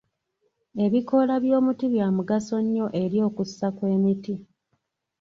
Ebikoola by'omuti bya mugaso nnyo eri okussa kw'emiti.